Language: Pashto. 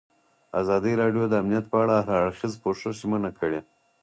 ازادي راډیو د امنیت په اړه د هر اړخیز پوښښ ژمنه کړې.